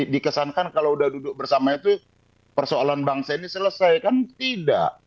dikesankan kalau sudah duduk bersama itu persoalan bangsa ini selesai kan tidak